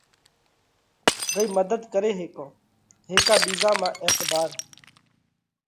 رئي مڌت ڪري هيڪونه؟ هيڪا ٻِيزا مانه اعتبار